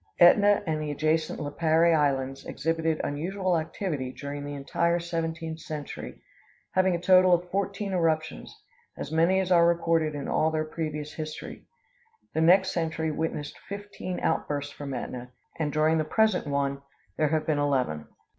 Ætna and the adjacent Lipari Islands exhibited unusual activity during the entire seventeenth century, having a total of fourteen eruptions; as many as are recorded in all their previous history. The next century witnessed fifteen outbursts from Ætna, and during the present one there have been eleven.